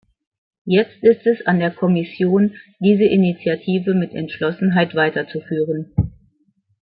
Jetzt ist es an der Kommission, diese Initiative mit Entschlossenheit weiterzuführen.